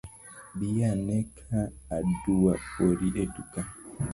Biane ka adua ori eduka.